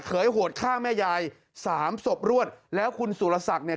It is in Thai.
โหดฆ่าแม่ยายสามศพรวดแล้วคุณสุรศักดิ์เนี่ย